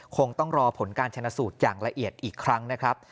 คงต้องรอผลการชนะสูตรอย่างละเอียดอีกครั้งนะครับ